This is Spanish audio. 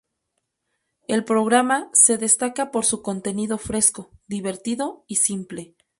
El programa se destaca por su contenido fresco, divertido y simple.